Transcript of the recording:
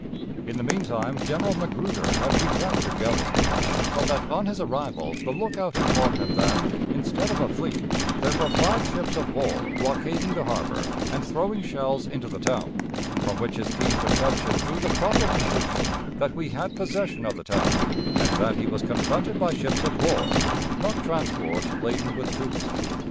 In the mean time General Magruder had recaptured Galveston, so that on his arrival the lookout informed him that, instead of a fleet, there were five ships of war blockading the harbor and throwing shells into the town, from which his keen perception drew the proper conclusion that we had possession of the town, and that he was confronted by ships of war, not transports laden with troops.